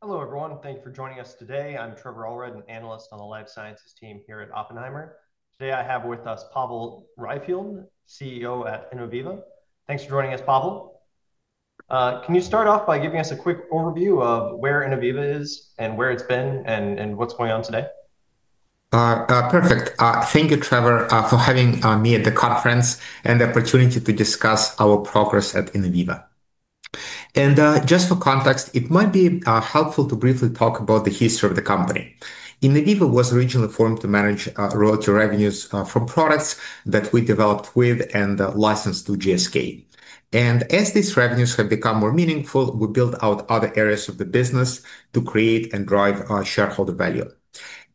Hello, everyone. Thank you for joining us today. I'm Trevor Allred, an analyst on the life sciences team here at Oppenheimer. Today, I have with us Pavel Raifeld, CEO at Innoviva. Thanks for joining us, Pavel. Can you start off by giving us a quick overview of where Innoviva is, and where it's been, and what's going on today? Perfect. Thank you, Trevor, for having me at the conference and the opportunity to discuss our progress at Innoviva. Just for context, it might be helpful to briefly talk about the history of the company. Innoviva was originally formed to manage royalty revenues from products that we developed with and licensed to GSK. As these revenues have become more meaningful, we built out other areas of the business to create and drive shareholder value.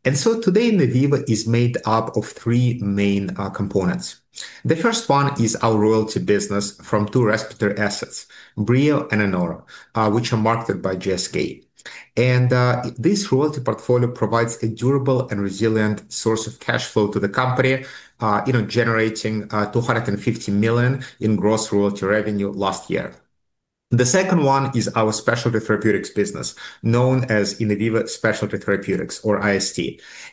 Today, Innoviva is made up of three main components. The first one is our royalty business from two respiratory assets, Breo and ANORO, which are marketed by GSK. This royalty portfolio provides a durable and resilient source of cash flow to the company, you know, generating $250 million in gross royalty revenue last year. The second one is our specialty therapeutics business, known as Innoviva Specialty Therapeutics, or IST.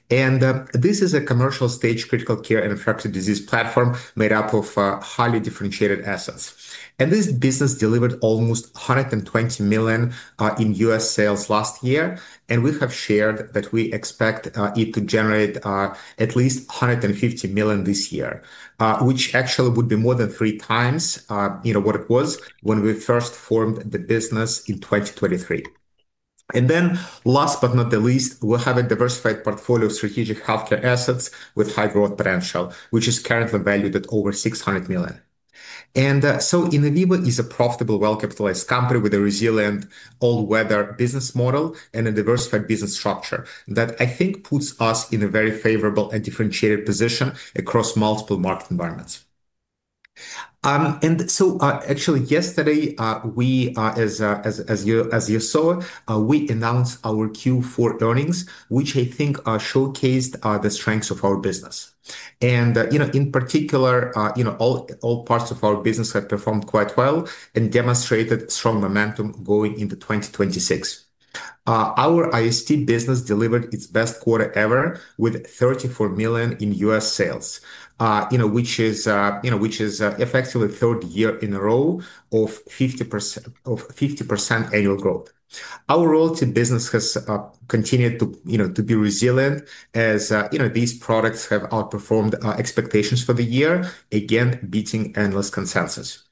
This is a commercial stage critical care infectious disease platform made up of highly differentiated assets. This business delivered almost $120 million in U.S. sales last year, and we have shared that we expect it to generate at least $150 million this year. Which actually would be more than three times, you know, what it was when we first formed the business in 2023. Last but not the least, we have a diversified portfolio of strategic healthcare assets with high growth potential, which is currently valued at over $600 million. Innoviva is a profitable, well-capitalized company with a resilient all-weather business model and a diversified business structure, that I think puts us in a very favorable and differentiated position across multiple market environments. Actually, yesterday, we, as you saw, we announced our Q4 earnings, which I think showcased the strengths of our business. You know, in particular, you know, all parts of our business have performed quite well and demonstrated strong momentum going into 2026. Our IST business delivered its best quarter ever with $34 million in U.S. sales, you know, which is, you know, which is effectively the third year in a row of 50% annual growth. Our royalty business has continued to, you know, to be resilient, as, you know, these products have outperformed expectations for the year, again, beating analyst consensus.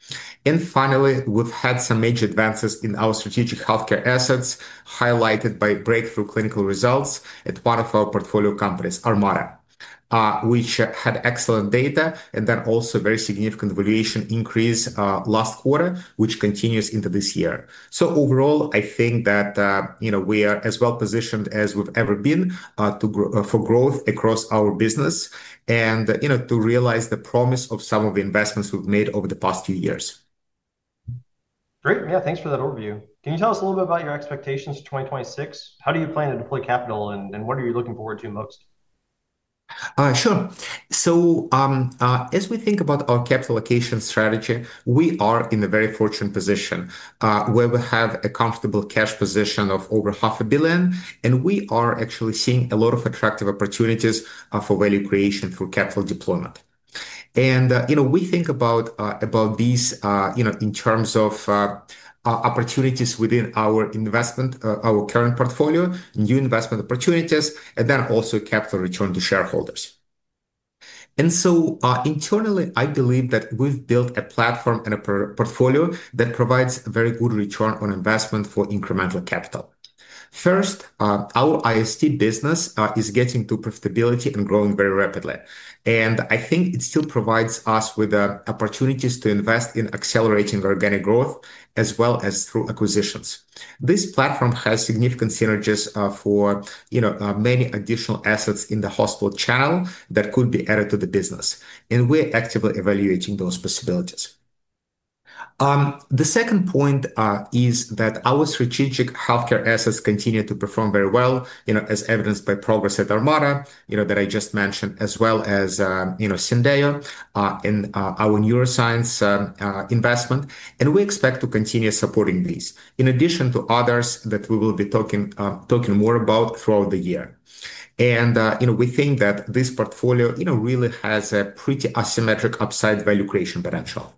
Finally, we've had some major advances in our strategic healthcare assets, highlighted by breakthrough clinical results at one of our portfolio companies, Armata, which had excellent data, and then also very significant valuation increase last quarter, which continues into this year. Overall, I think that, you know, we are as well positioned as we've ever been, for growth across our business and, you know, to realize the promise of some of the investments we've made over the past few years. Great. Yeah, thanks for that overview. Can you tell us a little bit about your expectations for 2026? How do you plan to deploy capital, and what are you looking forward to most? Sure. As we think about our capital allocation strategy, we are in a very fortunate position, where we have a comfortable cash position of over half a billion, and we are actually seeing a lot of attractive opportunities for value creation through capital deployment. you know, we think about these, you know, in terms of opportunities within our investment, our current portfolio, new investment opportunities, also capital return to shareholders. Internally, I believe that we've built a platform and a portfolio that provides a very good return on investment for incremental capital. First, our IST business is getting to profitability and growing very rapidly. I think it still provides us with opportunities to invest in accelerating organic growth, as well as through acquisitions. This platform has significant synergies for many additional assets in the hospital channel that could be added to the business. We're actively evaluating those possibilities. The second point is that our strategic healthcare assets continue to perform very well, as evidenced by progress at Armata that I just mentioned, as well as Syndeio and our neuroscience investment. We expect to continue supporting these, in addition to others that we will be talking more about throughout the year. We think that this portfolio really has a pretty asymmetric upside value creation potential.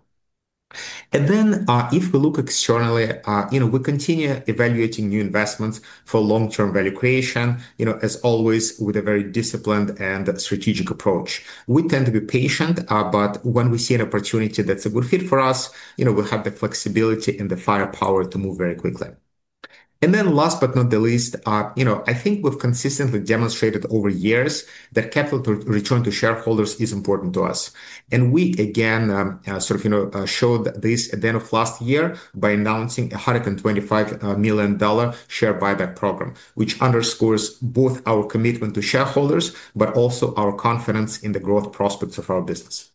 If we look externally, we continue evaluating new investments for long-term value creation, as always, with a very disciplined and strategic approach. We tend to be patient, but when we see an opportunity that's a good fit for us, you know, we have the flexibility and the firepower to move very quickly. Last but not the least, you know, I think we've consistently demonstrated over years that capital return to shareholders is important to us. We, again, sort of, you know, showed this at the end of last year by announcing a $125 million share buyback program, which underscores both our commitment to shareholders, but also our confidence in the growth prospects of our business.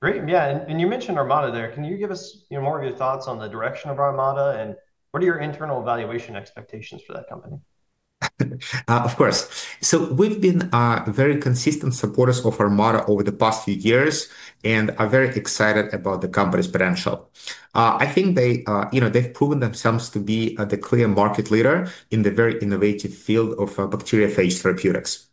Great. Yeah, and you mentioned Armata there. Can you give us, you know, more of your thoughts on the direction of Armata, and what are your internal valuation expectations for that company? Of course. We've been very consistent supporters of Armata over the past few years and are very excited about the company's potential. I think they, you know, they've proven themselves to be the clear market leader in the very innovative field of bacteriophage therapeutics.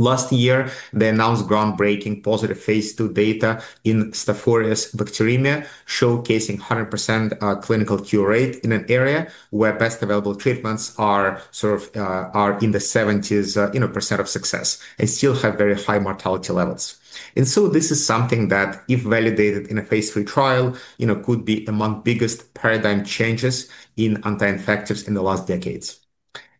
Last year, they announced groundbreaking positive phase II data in Staph aureus bacteremia, showcasing 100% clinical cure rate in an area where best available treatments are in the 70%, you know, of success, and still have very high mortality levels. This is something that, if validated in a phase III trial, you know, could be among biggest paradigm changes in anti-infectives in the last decades.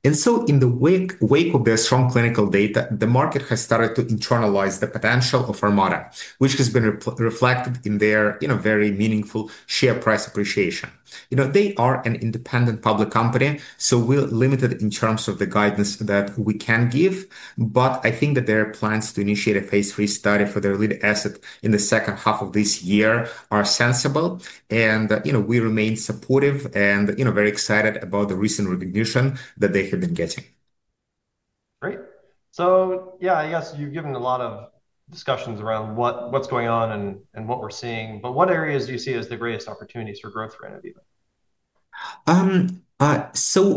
In the wake of their strong clinical data, the market has started to internalize the potential of Armata, which has been reflected in their, you know, very meaningful share price appreciation. You know, they are an independent public company, so we're limited in terms of the guidance that we can give, but I think that their plans to initiate a phase III study for their lead asset in the second half of this year are sensible. You know, we remain supportive and, you know, very excited about the recent recognition that they have been getting. Great. Yeah, I guess you've given a lot of discussions around what's going on and what we're seeing, but what areas do you see as the greatest opportunities for growth for Innoviva?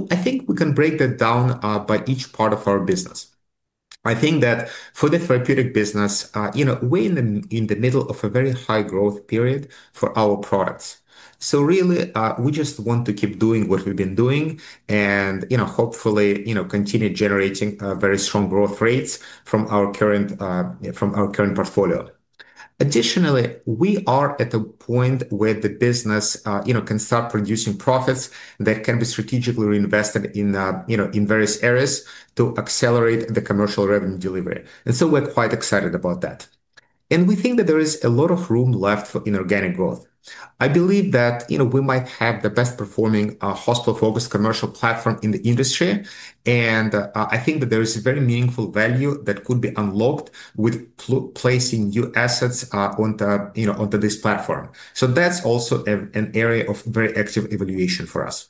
I think we can break that down by each part of our business. I think that for the therapeutic business, you know, we're in the middle of a very high growth period for our products. Really, we just want to keep doing what we've been doing and, you know, hopefully, you know, continue generating very strong growth rates from our current portfolio. Additionally, we are at a point where the business, you know, can start producing profits that can be strategically reinvested in, you know, in various areas to accelerate the commercial revenue delivery, we're quite excited about that. We think that there is a lot of room left for inorganic growth. I believe that, you know, we might have the best performing hospital-focused commercial platform in the industry, and I think that there is a very meaningful value that could be unlocked with placing new assets onto this platform. That's also an area of very active evaluation for us.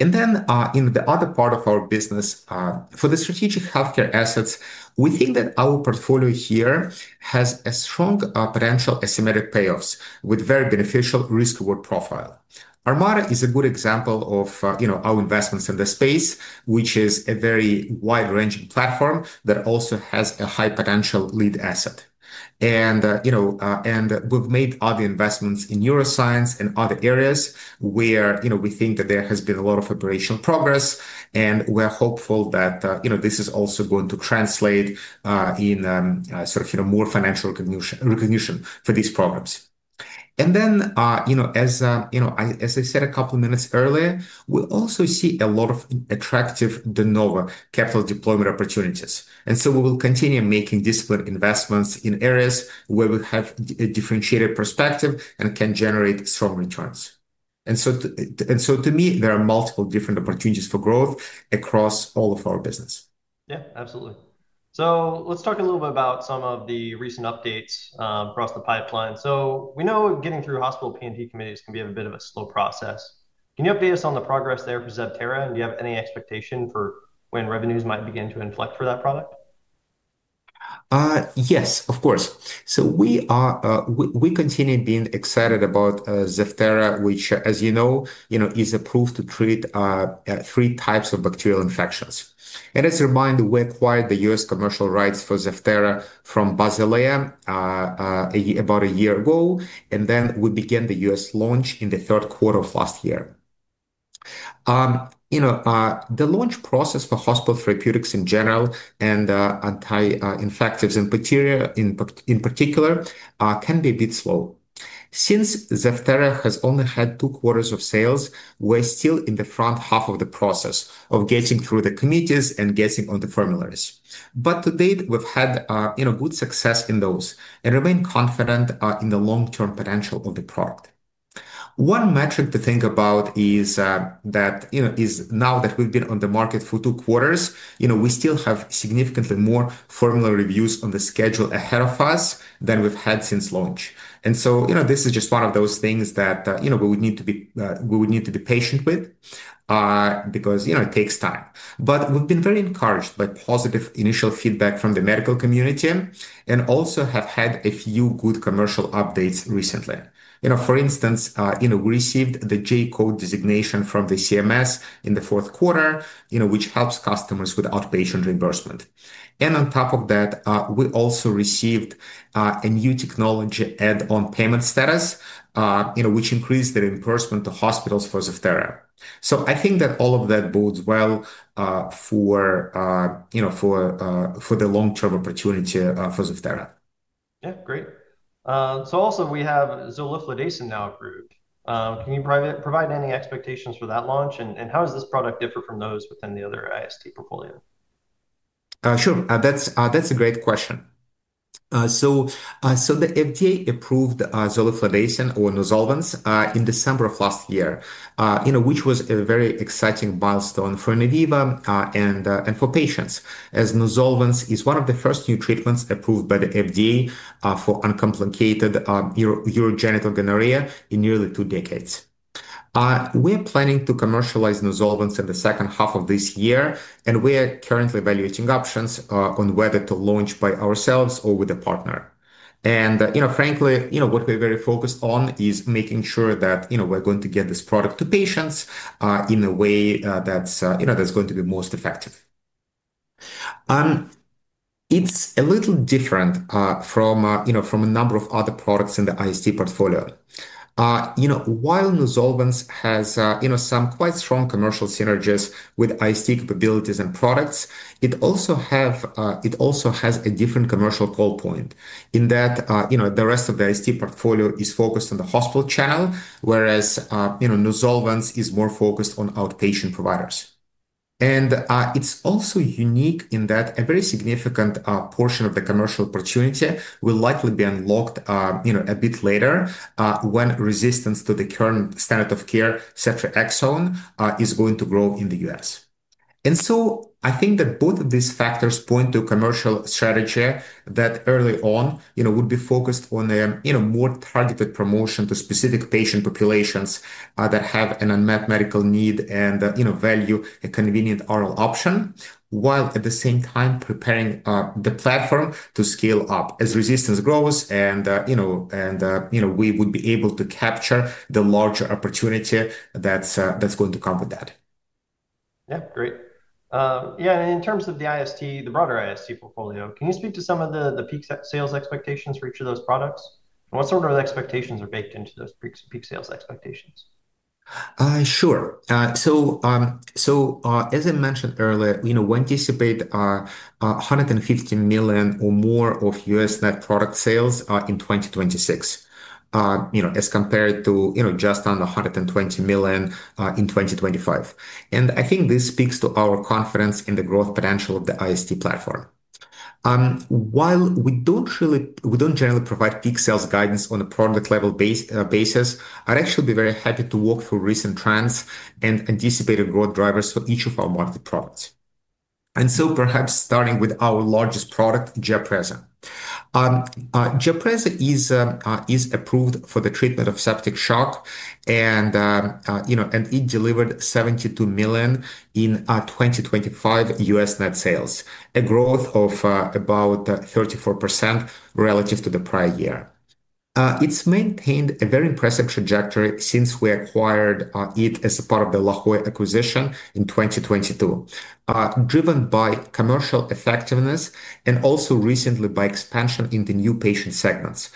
In the other part of our business, for the strategic healthcare assets, we think that our portfolio here has a strong potential asymmetric payoffs with very beneficial risk-reward profile. Armata is a good example of our investments in this space, which is a very wide-ranging platform that also has a high potential lead asset. You know, and we've made other investments in neuroscience and other areas where, you know, we think that there has been a lot of operational progress, and we're hopeful that, you know, this is also going to translate, in, sort of, you know, more financial recognition for these programs. Then, you know, as, you know, as I said a couple of minutes earlier, we also see a lot of attractive de novo capital deployment opportunities, and so we will continue making disciplined investments in areas where we have a differentiated perspective and can generate strong returns. So to me, there are multiple different opportunities for growth across all of our business. Yeah, absolutely. Let's talk a little bit about some of the recent updates across the pipeline. We know getting through hospital P&T committees can be a bit of a slow process. Can you update us on the progress there for ZEVTERA? Do you have any expectation for when revenues might begin to inflect for that product? Yes, of course. We are, we continue being excited about ZEVTERA, which, as you know, you know, is approved to treat three types of bacterial infections. As a reminder, we acquired the U.S. commercial rights for ZEVTERA from Basilea, a year, about a year ago, then we began the U.S. launch in the third quarter of last year. You know, the launch process for hospital therapeutics in general and anti-infectives and bacteria in particular can be a bit slow. Since ZEVTERA has only had two quarters of sales, we're still in the front half of the process of getting through the committees and getting on the formularies. To date, we've had, you know, good success in those and remain confident in the long-term potential of the product. One metric to think about is that, you know, now that we've been on the market for two quarters, you know, we still have significantly more formulary reviews on the schedule ahead of us than we've had since launch. You know, this is just one of those things that, you know, we would need to be patient with, because, you know, it takes time. We've been very encouraged by positive initial feedback from the medical community and also have had a few good commercial updates recently. You know, for instance, you know, we received the J-code designation from the CMS in the fourth quarter, you know, which helps customers with outpatient reimbursement. On top of that, we also received a New Technology Add-on Payment status, you know, which increased the reimbursement to hospitals for ZEVTERA. I think that all of that bodes well, for, you know, for the long-term opportunity, for ZEVTERA. Yeah, great. Also we have zoliflodacin now approved. Can you provide any expectations for that launch, and how does this product differ from those within the other IST portfolio? Sure. That's a great question. The FDA approved zoliflodacin, or NUZOLVENCE, in December of last year, you know, which was a very exciting milestone for Innoviva, and for patients, as NUZOLVENCE is one of the first new treatments approved by the FDA for uncomplicated urogenital gonorrhea in nearly two decades. We're planning to commercialize NUZOLVENCE in the second half of this year, and we are currently evaluating options on whether to launch by ourselves or with a partner. You know, frankly, you know, what we're very focused on is making sure that, you know, we're going to get this product to patients in a way that's, you know, that's going to be most effective. It's a little different, you know, from a number of other products in the IST portfolio. You know, while NUZOLVENCE has, you know, some quite strong commercial synergies with IST capabilities and products, it also has a different commercial call point in that, you know, the rest of the IST portfolio is focused on the hospital channel, whereas, you know, NUZOLVENCE is more focused on outpatient providers. It's also unique in that a very significant portion of the commercial opportunity will likely be unlocked, you know, a bit later, when resistance to the current standard of care, cefixone, is going to grow in the U.S. I think that both of these factors point to a commercial strategy that early on, you know, would be focused on a, you know, more targeted promotion to specific patient populations, that have an unmet medical need and, you know, value a convenient oral option, while at the same time preparing, the platform to scale up as resistance grows and, you know, and, you know, we would be able to capture the larger opportunity that's going to come with that. Great. In terms of the IST, the broader IST portfolio, can you speak to some of the peak sales expectations for each of those products? What sort of expectations are baked into those peak sales expectations? Sure. As I mentioned earlier, you know, we anticipate, uh, a hundred and fifty million or more of U.S. net product sales, uh, in 2026, uh, you know, as compared to, you know, just under a hundred and 20 million, in 2025. And I think this speaks to our confidence in the growth potential of the IST platform. Um, while we don't really- we don't generally provide peak sales guidance on a product level base, uh, basis, I'd actually be very happy to walk through recent trends and anticipated growth drivers for each of our market products. And so perhaps starting with our largest product, GIAPREZA. GIAPREZA is approved for the treatment of septic shock, you know, and it delivered $72 million in 2025 U.S. net sales, a growth of about 34% relative to the prior year. It's maintained a very impressive trajectory since we acquired it as a part of the La Jolla acquisition in 2022. Driven by commercial effectiveness and also recently by expansion in the new patient segments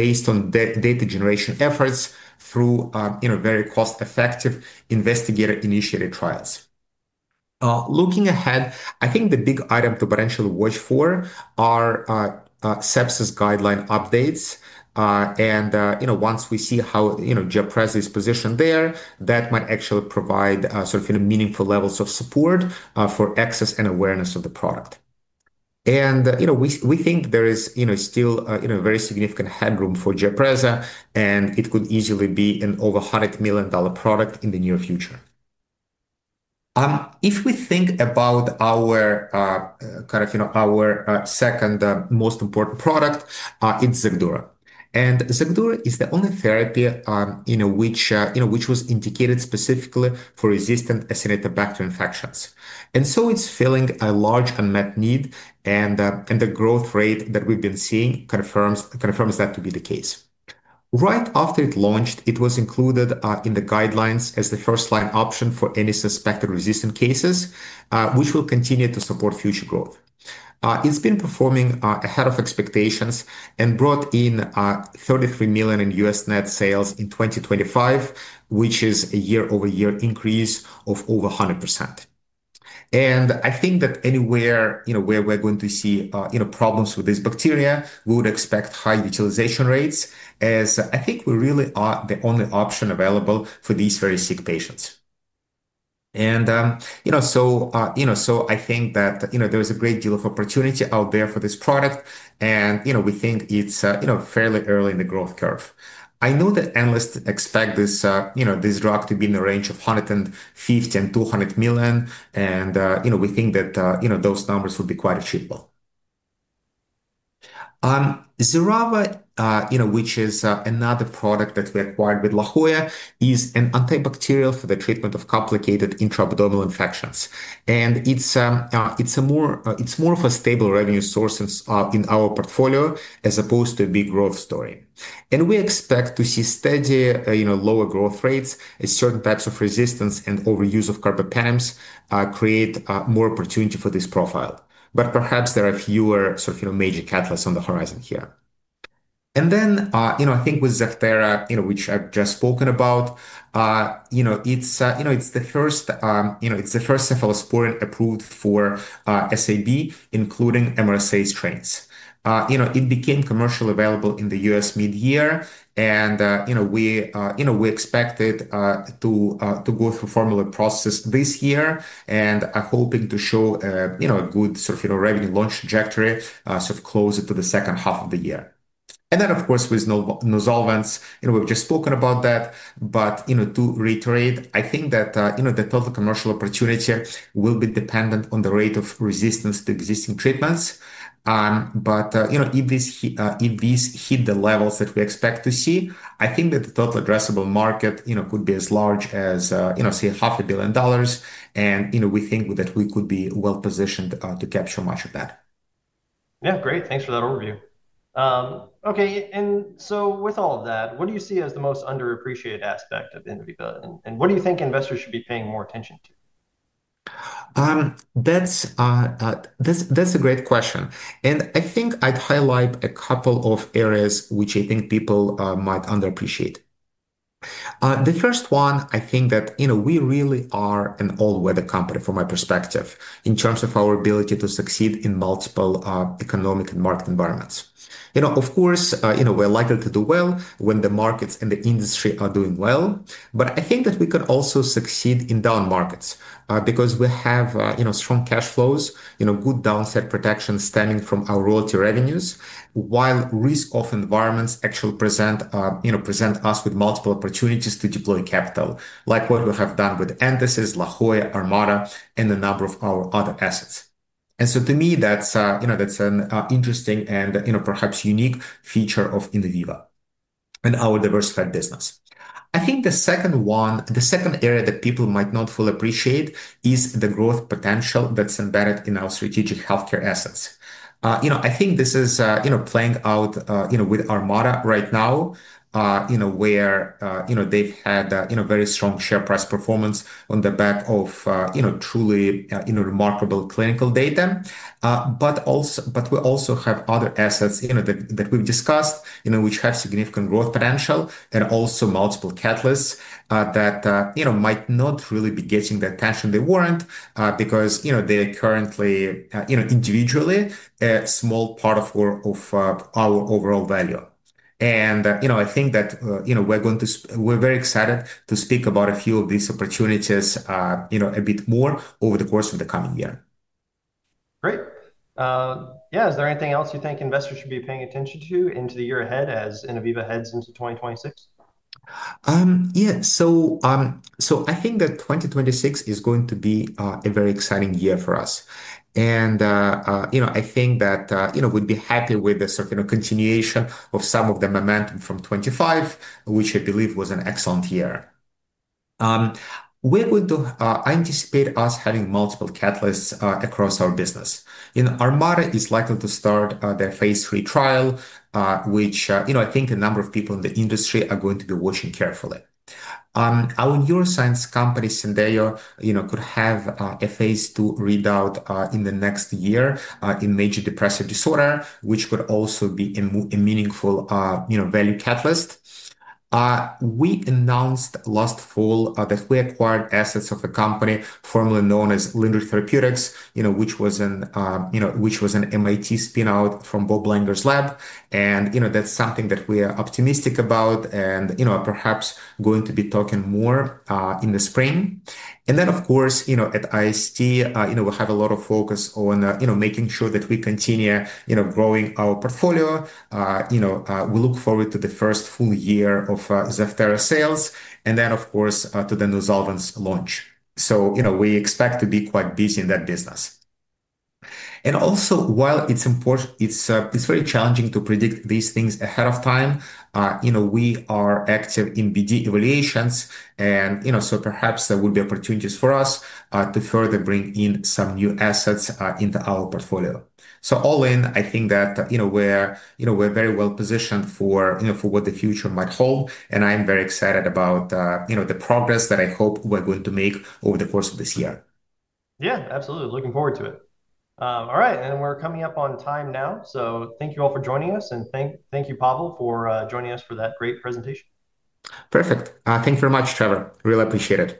based on data generation efforts through, you know, very cost-effective investigator-initiated trials. Looking ahead, I think the big item to potentially watch for are sepsis guideline updates. You know, once we see how, you know, GIAPREZA is positioned there, that might actually provide sort of, you know, meaningful levels of support for access and awareness of the product. You know, we think there is, you know, still, you know, very significant headroom for GIAPREZA, and it could easily be an over $100 million product in the near future. If we think about our kind of, you know, our second most important product, it's XACDURO. XACDURO is the only therapy, you know, which was indicated specifically for resistant Acinetobacter infections. It's filling a large unmet need, and the growth rate that we've been seeing confirms that to be the case. Right after it launched, it was included in the guidelines as the first-line option for any suspected resistant cases, which will continue to support future growth. It's been performing ahead of expectations and brought in $33 million in U.S. net sales in 2025, which is a year-over-year increase of over 100%. I think that anywhere, you know, where we're going to see, you know, problems with this bacteria, we would expect high utilization rates, as I think we really are the only option available for these very sick patients. You know, so, you know, so I think that, you know, there is a great deal of opportunity out there for this product and, you know, we think it's, you know, fairly early in the growth curve. I know that analysts expect this, you know, this drug to be in the range of $150 million-$200 million, you know, we think that, you know, those numbers will be quite achievable. XERAVA, you know, which is another product that we acquired with La Jolla, is an antibacterial for the treatment of complicated intra-abdominal infections. It's more of a stable revenue source in our portfolio as opposed to a big growth story. We expect to see steady, you know, lower growth rates as certain types of resistance and overuse of carbapenems, create more opportunity for this profile. Perhaps there are fewer sort of, you know, major catalysts on the horizon here. I think with ZEVTERA, you know, which I've just spoken about, you know, it's the first cephalosporin approved for SAB, including MRSA strains. You know, it became commercially available in the U.S. mid-year, and, you know, we expect it to go through formulary process this year. Are hoping to show a good sort of revenue launch trajectory closer to the second half of the year. Of course, with NUZOLVENCE, you know, we've just spoken about that. To reiterate, I think that, you know, the total commercial opportunity will be dependent on the rate of resistance to existing treatments. You know, if this, if this hit the levels that we expect to see, I think that the total addressable market, you know, could be as large as, you know, say, half a billion dollars. You know, we think that we could be well positioned, to capture much of that. Yeah, great. Thanks for that overview. Okay, with all of that, what do you see as the most underappreciated aspect of Innoviva, and what do you think investors should be paying more attention to? That's a great question, and I think I'd highlight a couple of areas which I think people might underappreciate. The first one, I think that, you know, we really are an all-weather company, from my perspective, in terms of our ability to succeed in multiple economic and market environments. You know, of course, you know, we're likely to do well when the markets and the industry are doing well. I think that we could also succeed in down markets, because we have, you know, strong cash flows, you know, good downside protection stemming from our royalty revenues, while risk-off environments actually present, you know, present us with multiple opportunities to deploy capital, like what we have done with Entasis, La Jolla, Armata, and a number of our other assets. To me, that's, you know, that's an interesting and, you know, perhaps unique feature of Innoviva and our diversified business. I think the second one, the second area that people might not fully appreciate is the growth potential that's embedded in our strategic healthcare assets. I think this is, you know, playing out, you know, with Armata right now, you know, where, you know, they've had, you know, very strong share price performance on the back of, you know, truly, you know, remarkable clinical data. We also have other assets, you know, that we've discussed, you know, which have significant growth potential and also multiple catalysts, that, you know, might not really be getting the attention they warrant, because, you know, they are currently, you know, individually, a small part of our overall value. You know, I think that, you know, we're very excited to speak about a few of these opportunities, you know, a bit more over the course of the coming year. Great. Yeah, is there anything else you think investors should be paying attention to into the year ahead as Innoviva heads into 2026? Yeah. I think that 2026 is going to be a very exciting year for us. I think that, you know, we'd be happy with a sort of, you know, continuation of some of the momentum from 2025, which I believe was an excellent year. We're going to anticipate us having multiple catalysts across our business. You know, Armata is likely to start their phase III trial, which, you know, I think a number of people in the industry are going to be watching carefully. Our neuroscience company, Syndeio, you know, could have a phase II readout in the next year in major depressive disorder, which would also be a meaningful, you know, value catalyst. We announced last fall, that we acquired assets of a company formerly known as Lyndra Therapeutics, you know, which was an, you know, which was an MIT spin-out from Bob Langer's lab. you know, that's something that we are optimistic about and, you know, perhaps going to be talking more in the spring. then, of course, you know, at IST, you know, we have a lot of focus on, you know, making sure that we continue, you know, growing our portfolio. you know, we look forward to the first full year of ZEVTERA sales and then, of course, to the NUZOLVENCE's launch. you know, we expect to be quite busy in that business. While it's important, it's very challenging to predict these things ahead of time, you know, we are active in BD evaluations, and, you know, perhaps there will be opportunities for us to further bring in some new assets into our portfolio. All in, I think that, you know, we're, you know, we're very well positioned for, you know, for what the future might hold, and I'm very excited about, you know, the progress that I hope we're going to make over the course of this year. Yeah, absolutely. Looking forward to it. All right, we're coming up on time now. Thank you all for joining us, and thank you, Pavel, for joining us for that great presentation. Perfect. Thank you very much, Trevor. Really appreciate it.